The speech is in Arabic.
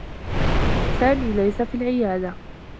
سامي ليس في العيادة.